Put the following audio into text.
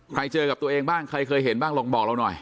เจอกับตัวเองบ้างใครเคยเห็นบ้างลองบอกเราหน่อย